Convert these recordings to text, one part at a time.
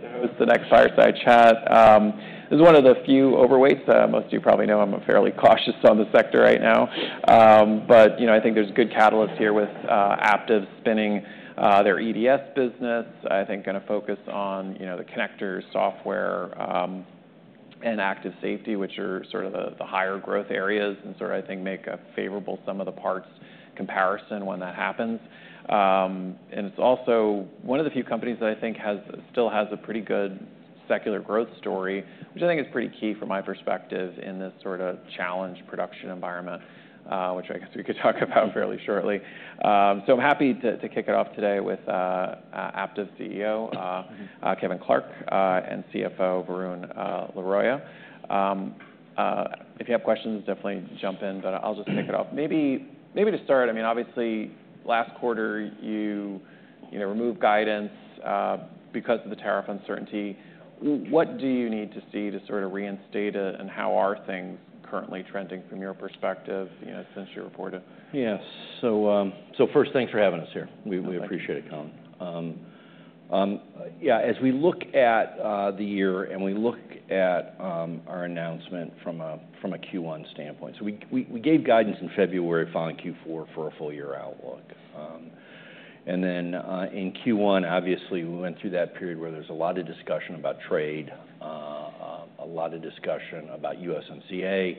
I mean, that is the next fireside chat. This is one of the few [overweights]. Most of you probably know I'm fairly cautious on the sector right now. I think there's good catalysts here with Aptiv spinning their EDS business. I think going to focus on the connector software and active safety, which are sort of the higher growth areas and sort of, I think, make a favorable sum of the parts comparison when that happens. It is also one of the few companies that I think still has a pretty good secular growth story, which I think is pretty key from my perspective in this sort of challenged production environment, which I guess we could talk about fairly shortly. I'm happy to kick it off today with Aptiv CEO Kevin Clark and CFO Varun Laroyia. If you have questions, definitely jump in, but I'll just kick it off. Maybe to start, I mean, obviously, last quarter you removed guidance because of the tariff uncertainty. What do you need to see to sort of reinstate it, and how are things currently trending from your perspective since your reporting? Yeah. First, thanks for having us here. We appreciate it, Colin. Yeah, as we look at the year and we look at our announcement from a Q1 standpoint, we gave guidance in February following Q4 for a full-year outlook. In Q1, obviously, we went through that period where there was a lot of discussion about trade, a lot of discussion about USMCA,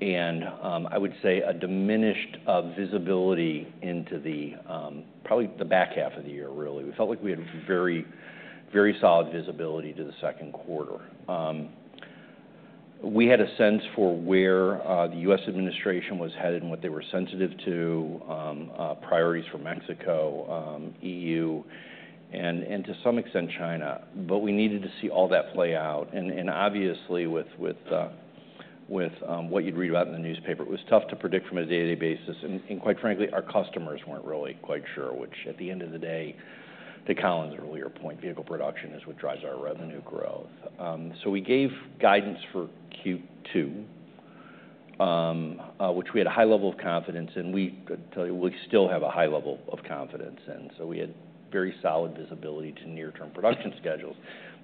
and I would say a diminished visibility into probably the back half of the year, really. We felt like we had very solid visibility to the second quarter. We had a sense for where the U.S. administration was headed and what they were sensitive to, priorities for Mexico, EU, and to some extent China. We needed to see all that play out. Obviously, with what you would read about in the newspaper, it was tough to predict from a day-to-day basis. Quite frankly, our customers were not really quite sure, which at the end of the day, to Colin's earlier point, vehicle production is what drives our revenue growth. We gave guidance for Q2, which we had a high level of confidence in. We still have a high level of confidence in. We had very solid visibility to near-term production schedules.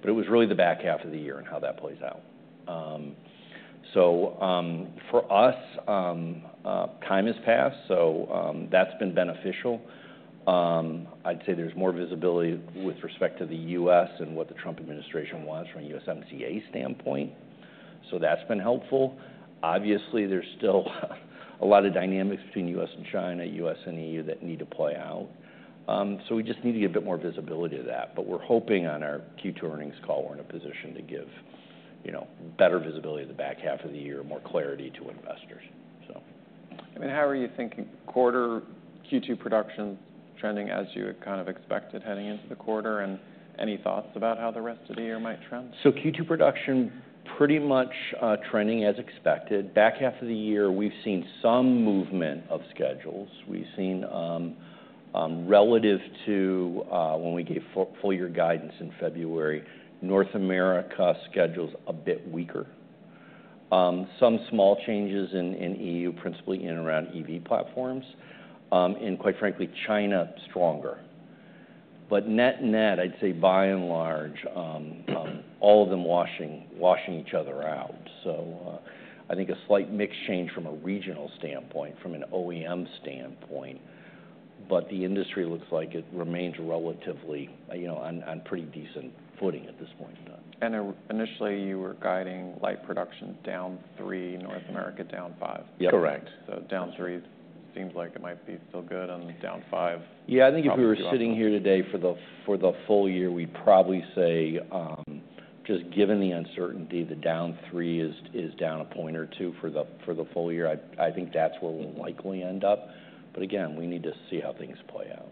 It was really the back half of the year and how that plays out. For us, time has passed, so that has been beneficial. I would say there is more visibility with respect to the U.S. and what the Trump administration wants from a USMCA standpoint. That has been helpful. Obviously, there are still a lot of dynamics between the U.S. and China, the U.S. and EU that need to play out. We just need to get a bit more visibility to that. We're hoping on our Q2 earnings call we're in a position to give better visibility to the back half of the year, more clarity to investors. I mean, how are you thinking? Quarter Q2 production trending as you had kind of expected heading into the quarter? Any thoughts about how the rest of the year might trend? Q2 production pretty much trending as expected. Back half of the year, we've seen some movement of schedules. We've seen, relative to when we gave full-year guidance in February, North America schedules a bit weaker. Some small changes in EU, principally in and around EV platforms. Quite frankly, China stronger. Net-net, I'd say by and large, all of them washing each other out. I think a slight mix change from a regional standpoint, from an OEM standpoint. The industry looks like it remains relatively on pretty decent footing at this point in time. Initially, you were guiding light production down three, North America down five. Correct. Down three seems like it might be still good, and down five. Yeah, I think if we were sitting here today for the full year, we'd probably say, just given the uncertainty, the down three is down a point or two for the full year. I think that's where we'll likely end up. Again, we need to see how things play out.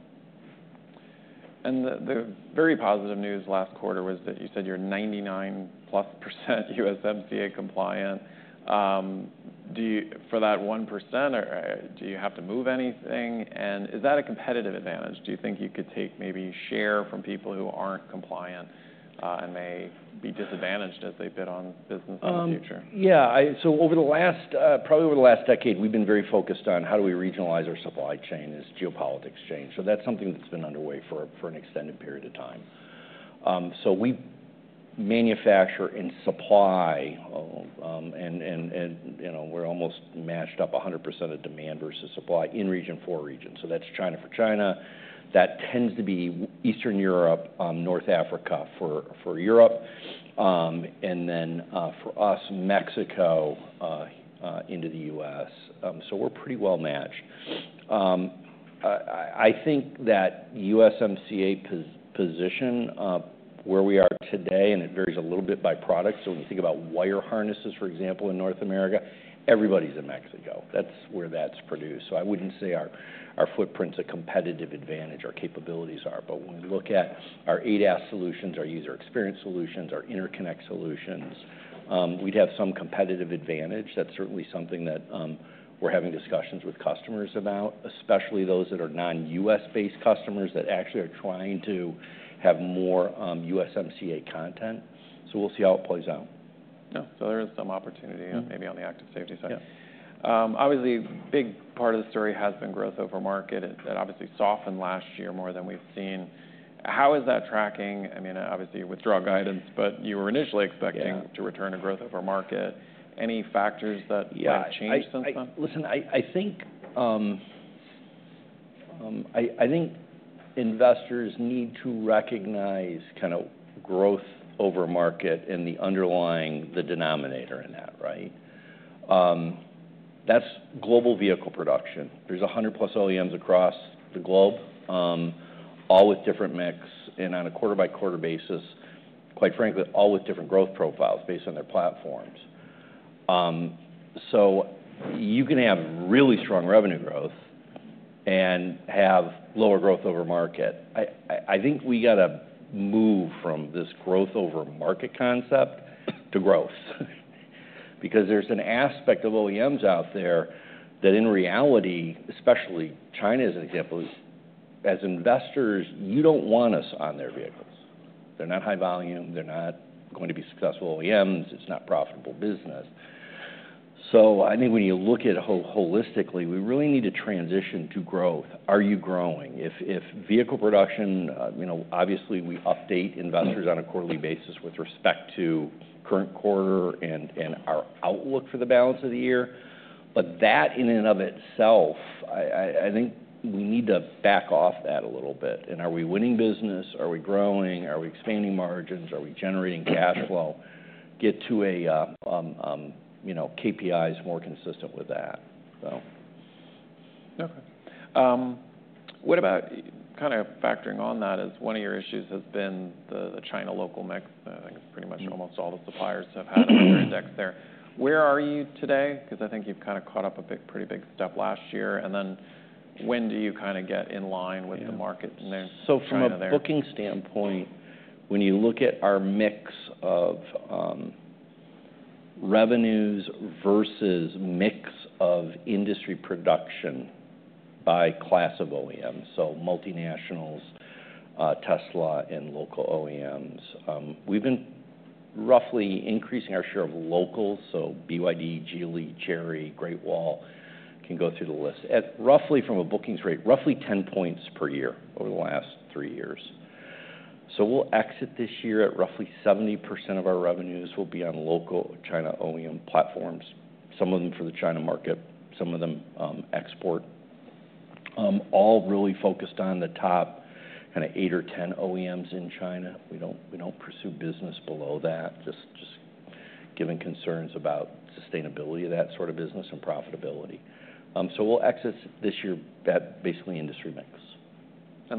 The very positive news last quarter was that you said you're 99+% USMCA compliant. For that 1%, do you have to move anything? Is that a competitive advantage? Do you think you could take maybe share from people who aren't compliant and may be disadvantaged as they bid on business in the future? Yeah. Over the last, probably over the last decade, we've been very focused on how do we regionalize our supply chain as geopolitics change. That is something that has been underway for an extended period of time. We manufacture and supply, and we're almost matched up 100% of demand versus supply in region for region. That is China for China. That tends to be Eastern Europe, North Africa for Europe. For us, Mexico into the U.S. We are pretty well matched. I think that USMCA position, where we are today, and it varies a little bit by product. When you think about wire harnesses, for example, in North America, everybody is in Mexico. That is where that is produced. I would not say our footprint is a competitive advantage, our capabilities are. When we look at our ADAS solutions, our user experience solutions, our interconnect solutions, we'd have some competitive advantage. That's certainly something that we're having discussions with customers about, especially those that are non-U.S.-based customers that actually are trying to have more USMCA content. So we'll see how it plays out. Yeah. So there is some opportunity maybe on the active safety side. Obviously, a big part of the story has been growth over market. It obviously softened last year more than we've seen. How is that tracking? I mean, obviously, withdraw guidance, but you were initially expecting to return to growth over market. Any factors that have changed since then? Yeah. Listen, I think investors need to recognize kind of growth over market and the underlying denominator in that, right? That is global vehicle production. There are 100-plus OEMs across the globe, all with different mix, and on a quarter-by-quarter basis, quite frankly, all with different growth profiles based on their platforms. You can have really strong revenue growth and have lower growth over market. I think we have to move from this growth over market concept to growth. Because there is an aspect of OEMs out there that in reality, especially China as an example, as investors, you do not want us on their vehicles. They are not high volume. They are not going to be successful OEMs. It is not profitable business. I think when you look at it holistically, we really need to transition to growth. Are you growing? If vehicle production, obviously, we update investors on a quarterly basis with respect to current quarter and our outlook for the balance of the year. That in and of itself, I think we need to back off that a little bit. Are we winning business? Are we growing? Are we expanding margins? Are we generating cash flow? Get to KPIs more consistent with that. Okay. What about kind of factoring on that as one of your issues has been the China local mix? I think pretty much almost all the suppliers have had a bigger index there. Where are you today? Because I think you have kind of caught up a pretty big step last year. When do you kind of get in line with the market and then kind of there? From a booking standpoint, when you look at our mix of revenues versus mix of industry production by class of OEM, so multinationals, Tesla, and local OEMs, we've been roughly increasing our share of locals. So BYD, Geely, Chery, Great Wall, can go through the list. Roughly from a bookings rate, roughly 10 percentage points per year over the last three years. We'll exit this year at roughly 70% of our revenues will be on local China OEM platforms, some of them for the China market, some of them export. All really focused on the top kind of 8 or 10 OEMs in China. We don't pursue business below that, just given concerns about sustainability of that sort of business and profitability. We'll exit this year at basically industry mix.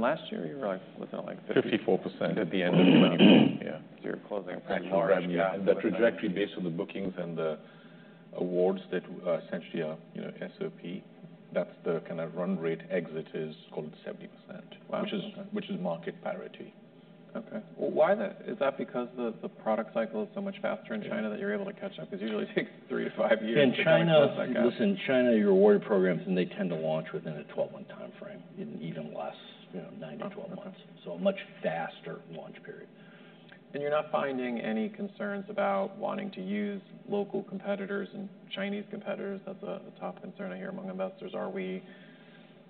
Last year, you were like within like 50. 54% at the end of the month. Yeah. You're closing pretty large. The trajectory based on the bookings and the awards that essentially are SOP, that's the kind of run rate exit is called 70%, which is market parity. Okay. Is that because the product cycle is so much faster in China that you're able to catch up? Because usually it takes three to five years. Listen, China, your [award] programs, and they tend to launch within a 12-month timeframe, even less, 9 to 12 months. So a much faster launch period. You're not finding any concerns about wanting to use local competitors and Chinese competitors? That's a top concern I hear among investors.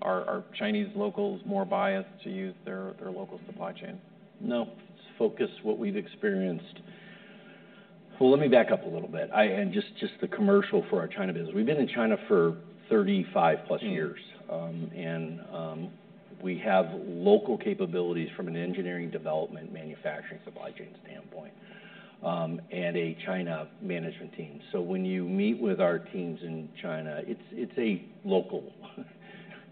Are Chinese locals more biased to use their local supply chain? No. It's focused, what we've experienced. Let me back up a little bit. Just the commercial for our China business. We've been in China for 35-plus years. We have local capabilities from an engineering, development, manufacturing supply chain standpoint, and a China management team. When you meet with our teams in China, it's a local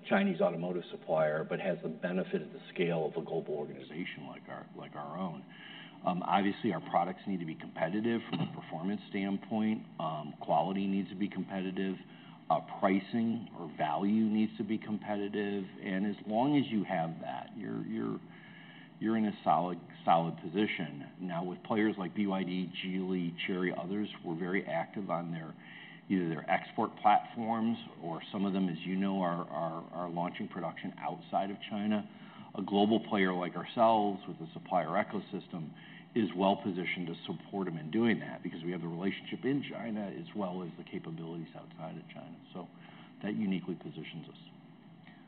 Chinese automotive supplier, but has the benefit of the scale of a global organization like our own. Obviously, our products need to be competitive from a performance standpoint. Quality needs to be competitive. Pricing or value needs to be competitive. As long as you have that, you're in a solid position. Now, with players like BYD, Geely, Chery, others, we're very active on either their export platforms or some of them, as you know, are launching production outside of China. A global player like ourselves with a supplier ecosystem is well positioned to support them in doing that because we have the relationship in China as well as the capabilities outside of China. That uniquely positions us.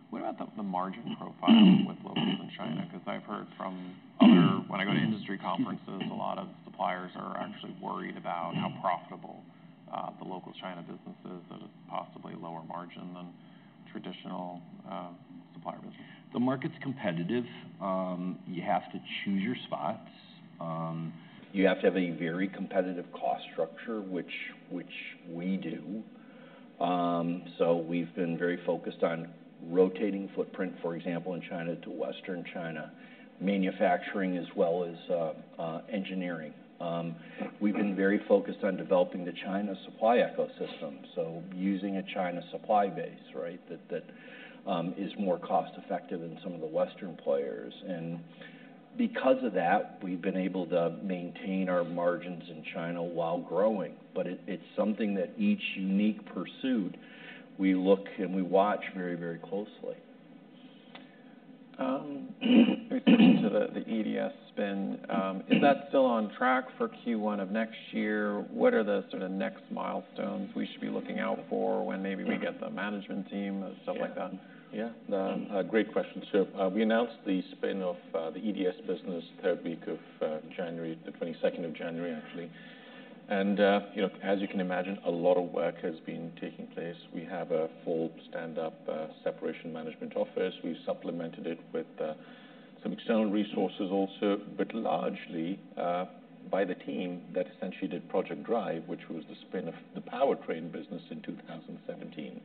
What about the margin profile with locals in China? Because I've heard from others when I go to industry conferences, a lot of suppliers are actually worried about how profitable the local China business is, that it's possibly lower margin than traditional supplier business. The market's competitive. You have to choose your spots. You have to have a very competitive cost structure, which we do. We have been very focused on rotating footprint, for example, in China to Western China, manufacturing as well as engineering. We have been very focused on developing the China supply ecosystem. Using a China supply base, right, that is more cost-effective than some of the Western players. Because of that, we have been able to maintain our margins in China while growing. It is something that each unique pursued, we look and we watch very, very closely. The EDS spin, is that still on track for Q1 of next year? What are the sort of next milestones we should be looking out for when maybe we get the management team, stuff like that? Yeah. Great question, Sir. We announced the spin of the EDS business third week of January, the 22nd of January, actually. As you can imagine, a lot of work has been taking place. We have a full stand-up separation management office. We have supplemented it with some external resources also, but largely by the team that essentially did Project Drive, which was the spin of the powertrain business in 2017.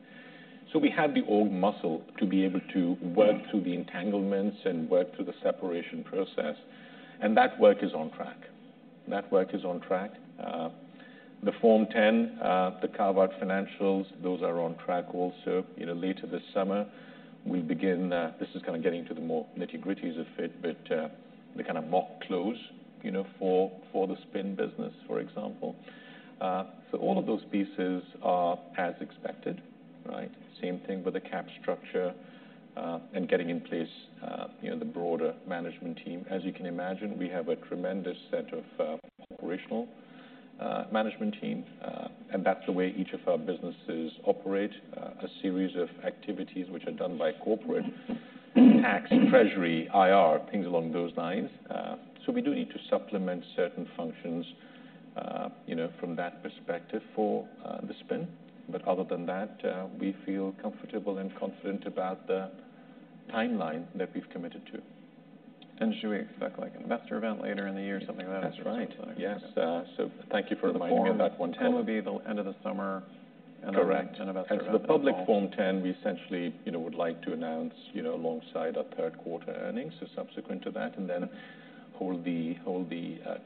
We have the old muscle to be able to work through the entanglements and work through the separation process. That work is on track. That work is on track. The Form 10, the carve-out financials, those are on track also. Later this summer, we will begin, this is kind of getting to the more nitty-gritties of it, but the kind of mock close for the spin business, for example. All of those pieces are as expected, right? Same thing with the cap structure and getting in place the broader management team. As you can imagine, we have a tremendous set of operational management team. That is the way each of our businesses operate, a series of activities which are done by corporate, tax, treasury, IR, things along those lines. We do need to supplement certain functions from that perspective for the spin. Other than that, we feel comfortable and confident about the timeline that we have committed to. Should we expect like an investor event later in the year, something like that? That's right. Yes. Thank you for reminding me of that. Form. The Form 10 will be at the end of the summer and an investor event. Correct. The public Form 10, we essentially would like to announce alongside our third quarter earnings or subsequent to that, and then hold the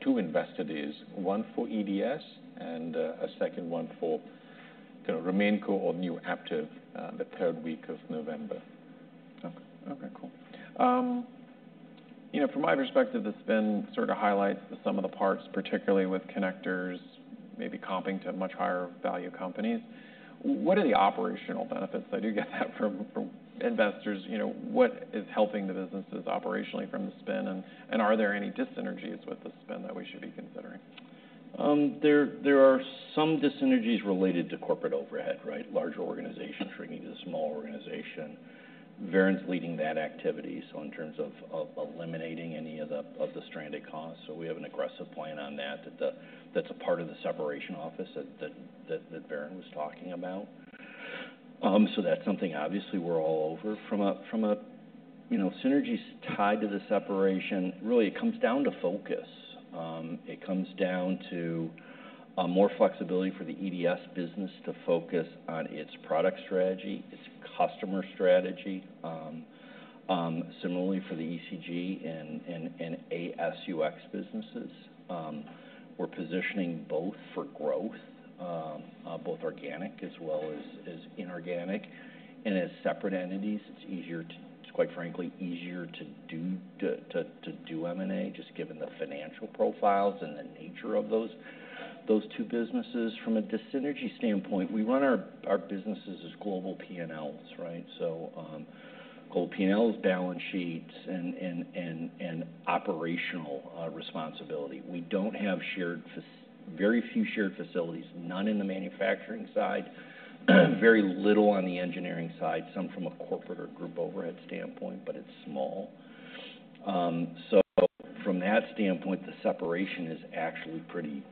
two investor days, one for EDS and a second one for RemainCo or new Aptiv the third week of November. Okay. Okay. Cool. From my perspective, the spin sort of highlights some of the parts, particularly with connectors maybe comping to much higher value companies. What are the operational benefits? I do get that from investors. What is helping the businesses operationally from the spin? Are there any dyssynergies with the spin that we should be considering? There are some dyssynergies related to corporate overhead, right? Larger organizations shrinking to a small organization. Varun's leading that activity. In terms of eliminating any of the stranded costs, we have an aggressive plan on that. That is a part of the separation office that Varun was talking about. That is something obviously we are all over from a synergies tied to the separation. Really, it comes down to focus. It comes down to more flexibility for the EDS business to focus on its product strategy, its customer strategy. Similarly, for the ECG and ASUX businesses, we are positioning both for growth, both organic as well as inorganic. As separate entities, it is quite frankly easier to do M&A just given the financial profiles and the nature of those two businesses. From a dyssynergy standpoint, we run our businesses as global P&Ls, right? Global P&Ls, balance sheets, and operational responsibility. We do not have very few shared facilities, none on the manufacturing side, very little on the engineering side, some from a corporate or group overhead standpoint, but it is small. From that standpoint, the separation is actually pretty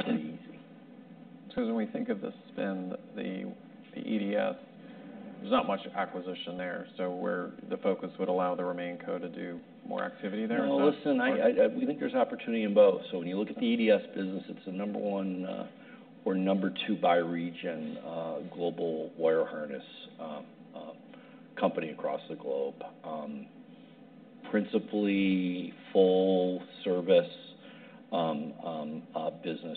[easy]. Because when we think of the spin, the EDS, there's not much acquisition there. The focus would allow the Remainco to do more activity there? Listen, we think there's opportunity in both. When you look at the EDS business, it's a number one or number two by region global wire harness company across the globe. Principally full-service business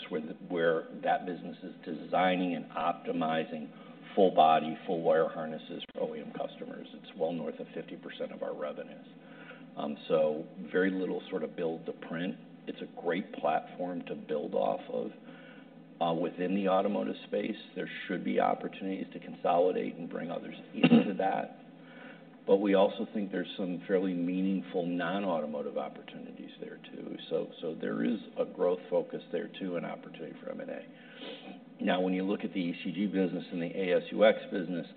where that business is designing and optimizing full-body, full-wire harnesses for OEM customers. It's well north of 50% of our revenues. Very little sort of build-to-print. It's a great platform to build off of within the automotive space. There should be opportunities to consolidate and bring others into that. We also think there's some fairly meaningful non-automotive opportunities there too. There is a growth focus there too and opportunity for M&A. Now, when you look at the ECG business and the ASUX business,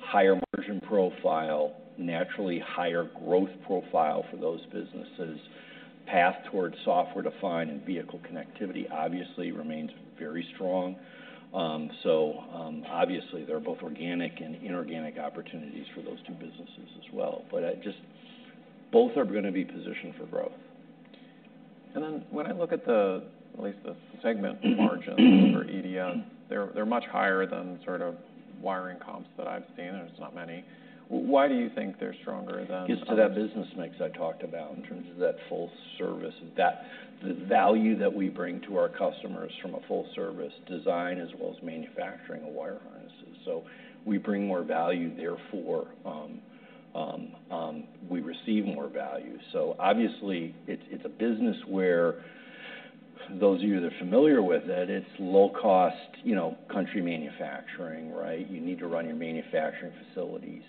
higher margin profile, naturally higher growth profile for those businesses, path towards software-defined and vehicle connectivity obviously remains very strong. Obviously, there are both organic and inorganic opportunities for those two businesses as well. Both are going to be positioned for growth. When I look at the, at least the segment margin for EDS, they're much higher than sort of wiring comps that I've seen. There's not many. Why do you think they're stronger than? Gets to that business mix I talked about in terms of that full service, the value that we bring to our customers from a full-service design as well as manufacturing of wire harnesses. We bring more value. Therefore, we receive more value. Obviously, it is a business where those of you that are familiar with it, it is low-cost country manufacturing, right? You need to run your manufacturing facilities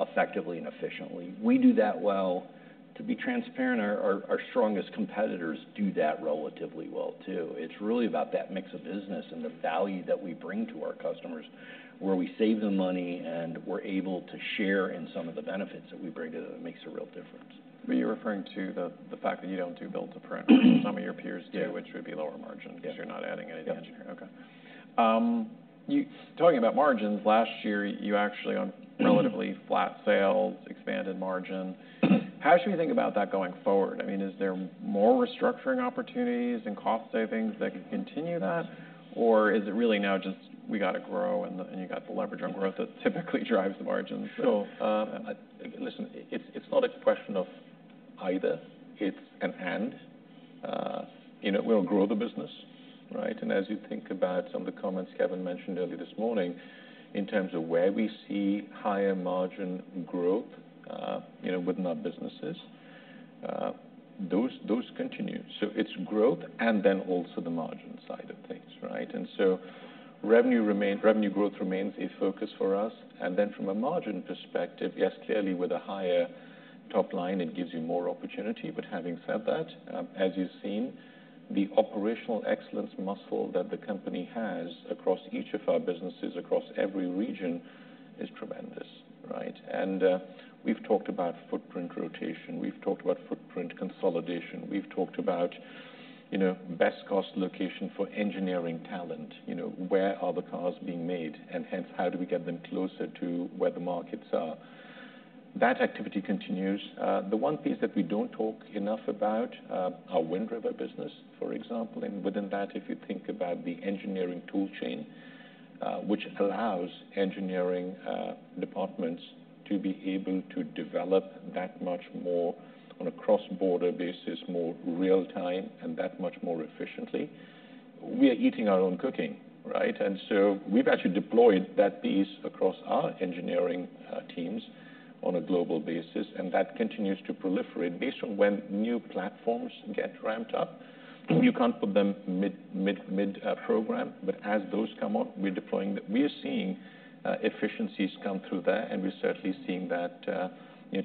effectively and efficiently. We do that well. To be transparent, our strongest competitors do that relatively well too. It is really about that mix of business and the value that we bring to our customers where we save them money and we are able to share in some of the benefits that we bring to them that makes a real difference. You're referring to the fact that you don't do build-to-print. Some of your peers do, which would be lower margin because you're not adding any of the engineering. Yes. Okay. Talking about margins, last year, you actually on relatively flat sales, expanded margin. How should we think about that going forward? I mean, is there more restructuring opportunities and cost savings that could continue that? Or is it really now just we got to grow and you got to leverage on growth that typically drives the margins? Listen, it's not a question of either. It's an and. We'll grow the business, right? As you think about some of the comments Kevin mentioned earlier this morning in terms of where we see higher margin growth within our businesses, those continue. It's growth and then also the margin side of things, right? Revenue growth remains a focus for us. From a margin perspective, yes, clearly with a higher top line, it gives you more opportunity. Having said that, as you've seen, the operational excellence muscle that the company has across each of our businesses across every region is tremendous, right? We've talked about footprint rotation. We've talked about footprint consolidation. We've talked about best-cost location for engineering talent. Where are the cars being made? Hence, how do we get them closer to where the markets are? That activity continues. The one piece that we do not talk enough about, our Wind River business, for example. Within that, if you think about the engineering tool chain, which allows engineering departments to be able to develop that much more on a cross-border basis, more real-time, and that much more efficiently, we are eating our own cooking, right? We have actually deployed that piece across our engineering teams on a global basis. That continues to proliferate based on when new platforms get ramped up. You cannot put them mid-program. As those come up, we are deploying that. We are seeing efficiencies come through there. We are certainly seeing that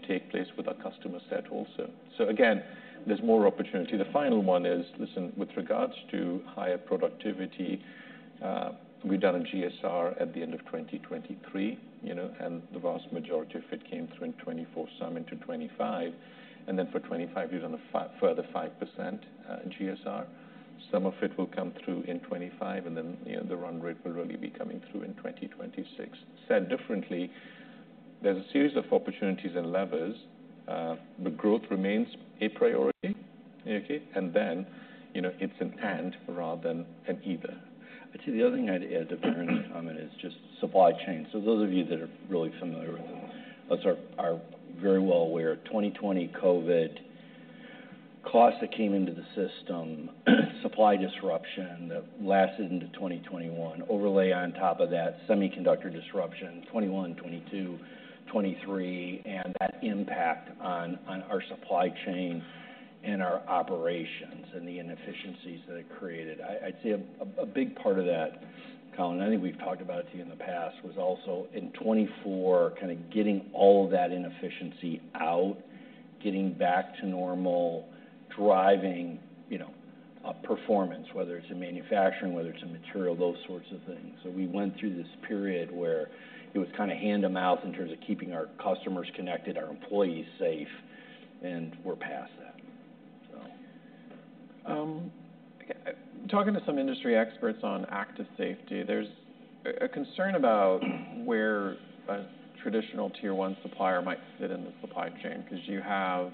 take place with our customer set also. Again, there is more opportunity. The final one is, listen, with regards to higher productivity, we have done a GSR at the end of 2023. The vast majority of it came through in 2024, some into 2025. For 2025, we've done a further 5% GSR. Some of it will come through in 2025. The run rate will really be coming through in 2026. Said differently, there is a series of opportunities and levers. The growth remains a priority. It is an and rather than an either. I'd say the other thing I'd add to Varun's comment is just supply chain. Those of you that are really familiar with it are very well aware. 2020 COVID, costs that came into the system, supply disruption that lasted into 2021, overlay on top of that, semiconductor disruption, 2021, 2022, 2023, and that impact on our supply chain and our operations and the inefficiencies that it created. I'd say a big part of that, Colin, I think we've talked about it to you in the past, was also in 2024, kind of getting all of that inefficiency out, getting back to normal, driving performance, whether it's in manufacturing, whether it's in material, those sorts of things. We went through this period where it was kind of hand-to-mouth in terms of keeping our customers connected, our employees safe, and we're past that. Talking to some industry experts on Aptiv Safety, there is a concern about where a traditional tier-one supplier might fit in the supply chain because you have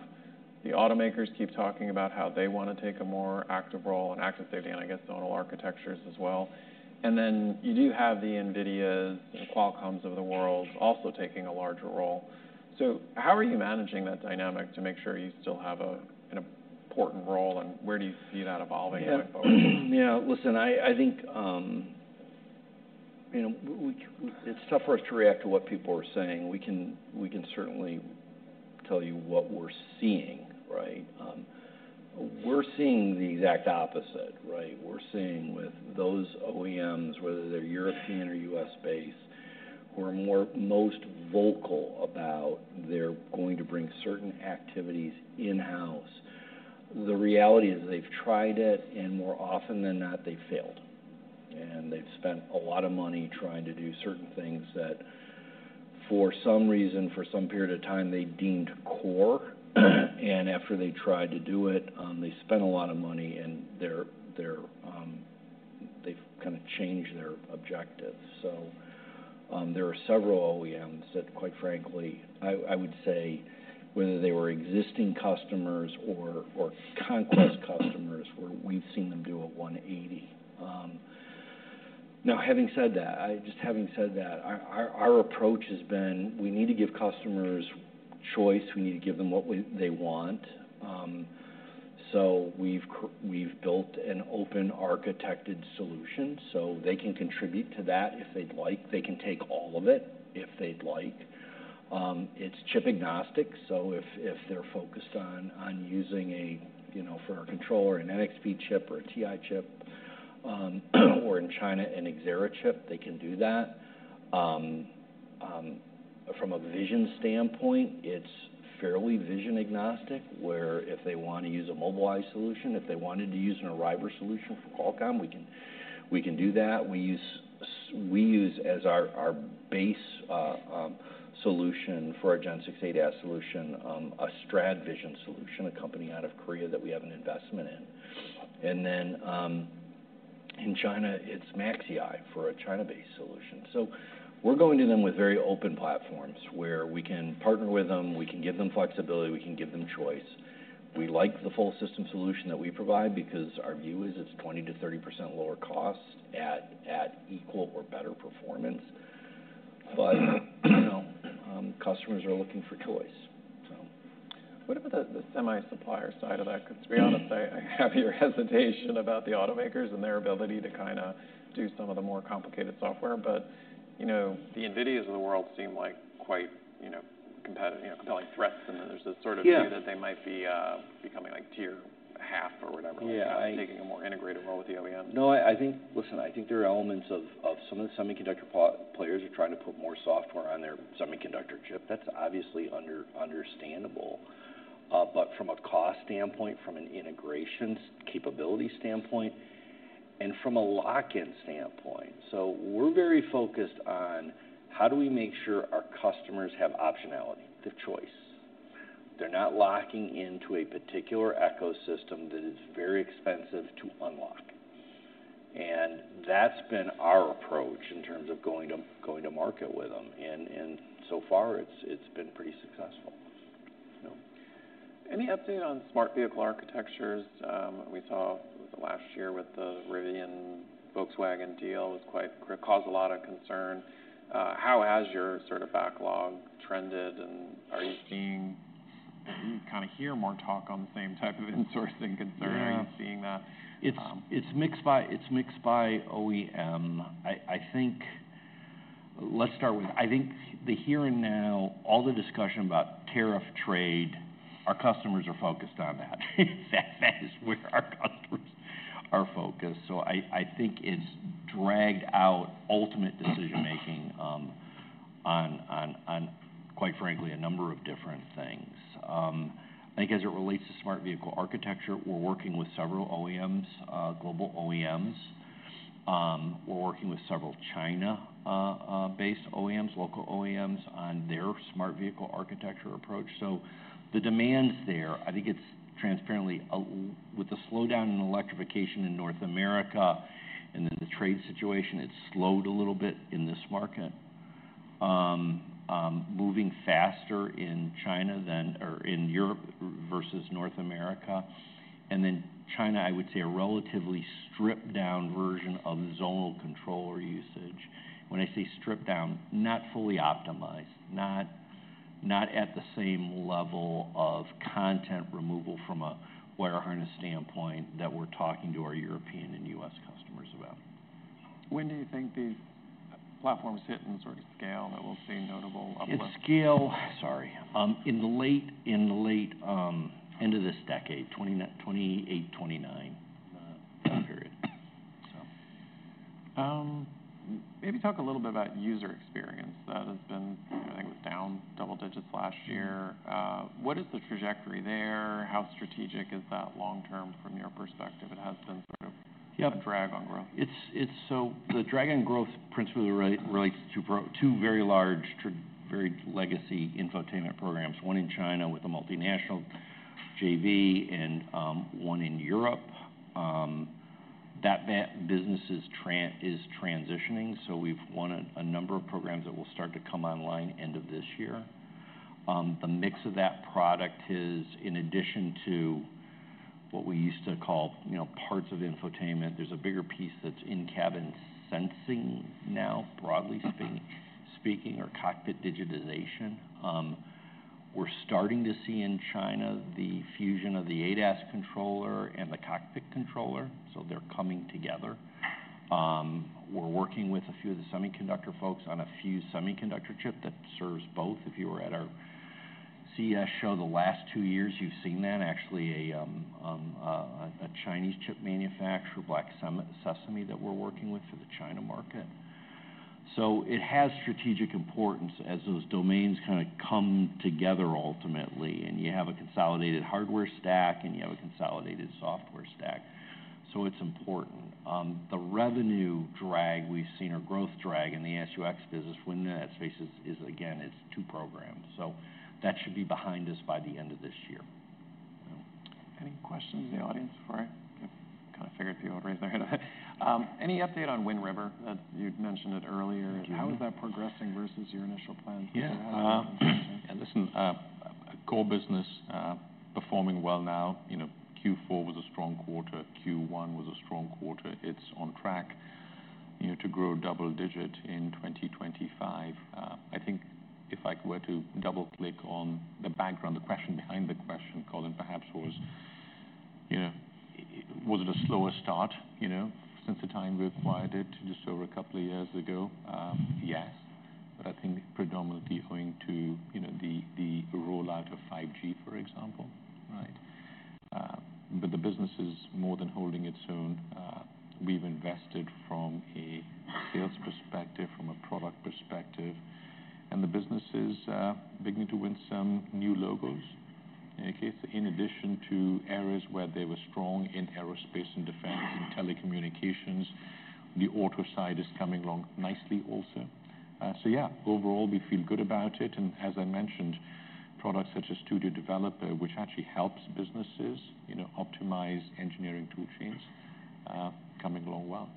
the automakers keep talking about how they want to take a more active role in Aptiv Safety and I guess the ownable architectures as well. You do have the NVIDIA and Qualcomm of the world also taking a larger role. How are you managing that dynamic to make sure you still have an important role? Where do you see that evolving going forward? Yeah. Yeah. Listen, I think it's tough for us to react to what people are saying. We can certainly tell you what we're seeing, right? We're seeing the exact opposite, right? We're seeing with those OEMs, whether they're European or U.S.-based, who are most vocal about they're going to bring certain activities in-house. The reality is they've tried it, and more often than not, they failed. And they've spent a lot of money trying to do certain things that for some reason, for some period of time, they deemed core. After they tried to do it, they spent a lot of money, and they've kind of changed their objective. There are several OEMs that, quite frankly, I would say, whether they were existing customers or conquest customers, we've seen them do a 180. Now, having said that, our approach has been we need to give customers choice. We need to give them what they want. We have built an open architected solution, so they can contribute to that if they'd like. They can take all of it if they'd like. It is chip agnostic, so if they are focused on using, for our controller, an NXP chip or a TI chip, or in China, an Axera chip, they can do that. From a vision standpoint, it is fairly vision agnostic where if they want to use a Mobileye solution, if they wanted to use an Arriver solution for Qualcomm, we can do that. We use as our base solution for our Gen6-8S solution a StradVision solution, a company out of Korea that we have an investment in. Then in China, it is MAXIEYE for a China-based solution. We are going to them with very open platforms where we can partner with them. We can give them flexibility. We can give them choice. We like the full-system solution that we provide because our view is it is 20%-30% lower cost at equal or better performance. Customers are looking for choice, so. What about the semi-supplier side of that? Because to be honest, I have your hesitation about the automakers and their ability to kind of do some of the more complicated software. The NVIDIAs in the world seem like quite compelling threats. There is this sort of view that they might be becoming like tier half or whatever, like taking a more integrated role with the OEM. No, I think, listen, I think there are elements of some of the semiconductor players are trying to put more software on their semiconductor chip. That is obviously understandable. From a cost standpoint, from an integration capability standpoint, and from a lock-in standpoint, we are very focused on how do we make sure our customers have optionality, the choice. They are not locking into a particular ecosystem that is very expensive to unlock. That has been our approach in terms of going to market with them. So far, it has been pretty successful. Any update on smart vehicle architectures? We saw last year with the Rivian-Volkswagen deal it was quite, caused a lot of concern. How has your sort of backlog trended? Are you seeing, kind of, hear more talk on the same type of insourcing concern? Are you seeing that? It's mixed by OEM. I think let's start with, I think, the here and now, all the discussion about tariff trade, our customers are focused on that. That is where our customers are focused. I think it's dragged out ultimate decision-making on, quite frankly, a number of different things. I think as it relates to smart vehicle architecture, we're working with several OEMs, global OEMs. We're working with several China-based OEMs, local OEMs on their smart vehicle architecture approach. The demands there, I think it's transparently with the slowdown in electrification in North America and then the trade situation, it's slowed a little bit in this market, moving faster in China than or in Europe versus North America. In China, I would say a relatively stripped-down version of zonal controller usage. When I say stripped-down, not fully optimized, not at the same level of content removal from a wire harness standpoint that we're talking to our European and U.S. customers about. When do you think these platforms hit in sort of scale that we'll see notable uplift? Scale, sorry. In the late end of this decade, 2028-2029 period, so. Maybe talk a little bit about user experience. That has been, I think it was down double digits last year. What is the trajectory there? How strategic is that long-term from your perspective? It has been sort of a drag on growth. The drag on growth principally relates to two very large, very legacy infotainment programs, one in China with a multinational JV, and one in Europe. That business is transitioning. We have won a number of programs that will start to come online end of this year. The mix of that product is, in addition to what we used to call parts of infotainment, there is a bigger piece that is in-cabin sensing now, broadly speaking, or cockpit digitization. We are starting to see in China the fusion of the ADAS controller and the cockpit controller. They are coming together. We are working with a few of the semiconductor folks on a few semiconductor chips that serve both. If you were at our CES show the last two years, you have seen that, actually a Chinese chip manufacturer, Black Sesame, that we are working with for the China market. It has strategic importance as those domains kind of come together ultimately. You have a consolidated hardware stack, and you have a consolidated software stack. It is important. The revenue drag we have seen or growth drag in the SUX business, Wind River and that space is, again, it is two programs. That should be behind us by the end of this year. Any questions in the audience before I kind of figure a few older raise their hand? Any update on Wind River that you'd mentioned earlier? How is that progressing versus your initial plans? Yeah. Listen, core business performing well now. Q4 was a strong quarter. Q1 was a strong quarter. It is on track to grow double digit in 2025. I think if I were to double-click on the background, the question behind the question, Colin, perhaps was, was it a slower start since the time we acquired it just over a couple of years ago? Yes. I think predominantly owing to the rollout of 5G, for example, right? The business is more than holding its own. We have invested from a sales perspective, from a product perspective. The business is beginning to win some new logos, in addition to areas where they were strong in aerospace and defense, in telecommunications. The auto side is coming along nicely also. Yeah, overall, we feel good about it. As I mentioned, products such as Studio Developer, which actually helps businesses optimize engineering toolchains, are coming along well.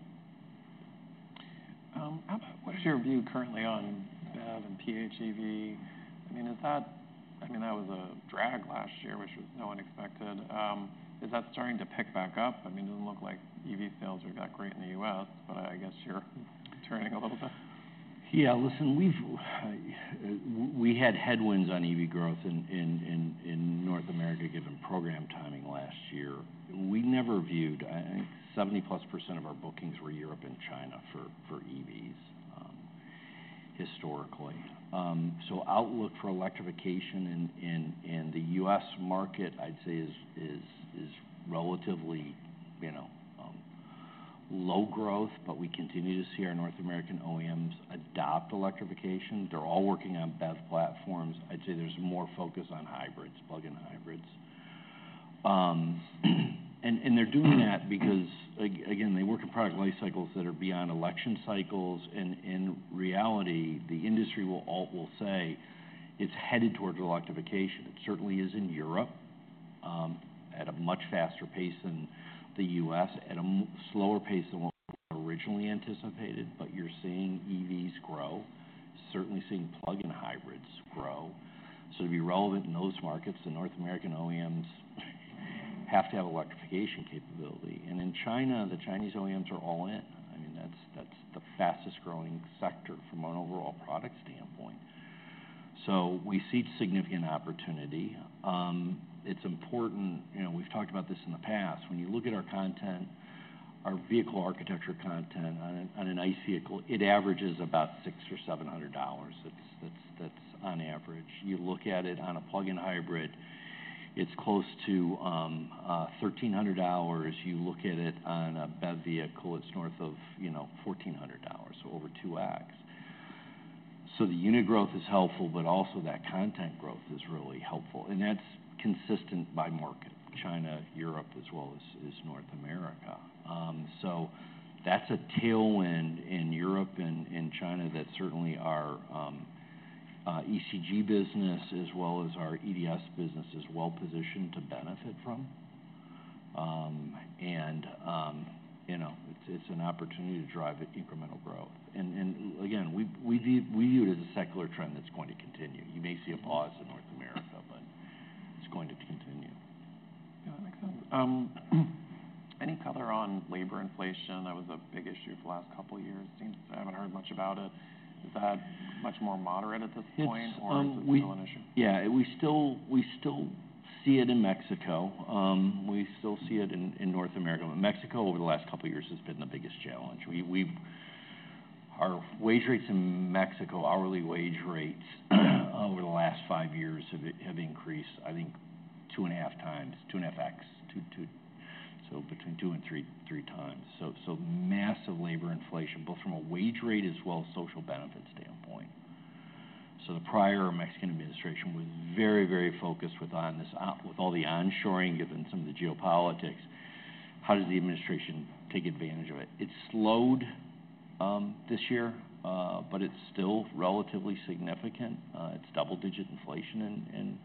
What is your view currently on BEV and PHEV? I mean, is that, I mean, that was a drag last year, which was not unexpected. Is that starting to pick back up? I mean, it does not look like EV sales are that great in the US, but I guess you are turning a little bit. Yeah. Listen, we had headwinds on EV growth in North America given program timing last year. We never viewed 70+% of our bookings were Europe and China for EVs historically. Outlook for electrification in the U.S. market, I'd say, is relatively low growth, but we continue to see our North American OEMs adopt electrification. They're all working on BEV platforms. I'd say there's more focus on hybrids, plug-in hybrids. They're doing that because, again, they work in product life cycles that are beyond election cycles. In reality, the industry will say it's headed towards electrification. It certainly is in Europe at a much faster pace than the U.S., at a slower pace than what was originally anticipated. You're seeing EVs grow, certainly seeing plug-in hybrids grow. To be relevant in those markets, the North American OEMs have to have electrification capability. In China, the Chinese OEMs are all in. I mean, that's the fastest-growing sector from an overall product standpoint. We see significant opportunity. It's important. We've talked about this in the past. When you look at our content, our vehicle architecture content on an ICE vehicle, it averages about $600 or $700. That's on average. You look at it on a plug-in hybrid, it's close to $1,300. You look at it on a BEV vehicle, it's north of $1,400, so over 2X. The unit growth is helpful, but also that content growth is really helpful. That's consistent by market, China, Europe, as well as North America. That's a tailwind in Europe and China that certainly our ECG business, as well as our EDS business, is well-positioned to benefit from. It's an opportunity to drive incremental growth. We view it as a secular trend that's going to continue. You may see a pause in North America, but it's going to continue. Yeah, that makes sense. Any color on labor inflation? That was a big issue for the last couple of years. Seems I haven't heard much about it. Is that much more moderate at this point or is it still an issue? Yeah. We still see it in Mexico. We still see it in North America. Mexico, over the last couple of years, has been the biggest challenge. Our wage rates in Mexico, hourly wage rates over the last five years have increased, I think, two and a half times, two and a half X, so between two and three times. Massive labor inflation, both from a wage rate as well as social benefits standpoint. The prior Mexican administration was very, very focused with all the onshoring, given some of the geopolitics. How does the administration take advantage of it? It has slowed this year, but it is still relatively significant. It is double-digit inflation.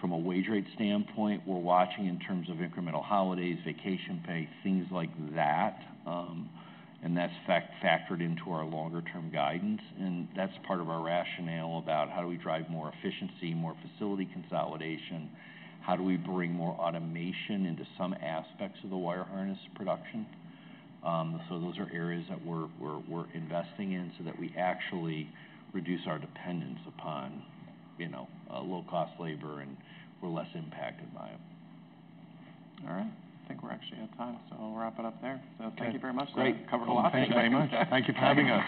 From a wage rate standpoint, we are watching in terms of incremental holidays, vacation pay, things like that. That is factored into our longer-term guidance. That is part of our rationale about how do we drive more efficiency, more facility consolidation, how do we bring more automation into some aspects of the wire harness production. Those are areas that we are investing in so that we actually reduce our dependence upon low-cost labor and we are less impacted by it. All right. I think we're actually at time, so we'll wrap it up there. Thank you very much. Great. Covered a lot. Thank you very much. Thank you for having us.